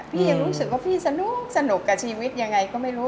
ยังรู้สึกว่าพี่สนุกกับชีวิตยังไงก็ไม่รู้